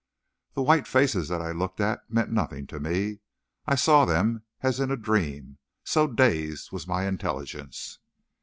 The white faces that I looked at meant nothing to me, I saw them as in a dream, so dazed was my intelligence.